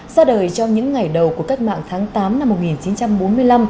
ra đời trong những ngày đầu của cách mạng tháng tám năm một nghìn chín trăm bốn mươi năm